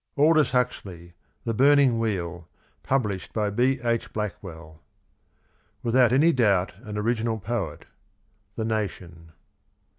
Aldous Huxley. THE BURNIXG WHEEL. Published by B. II. Blackvvell. " Without any doubt an original poet." — The Nation.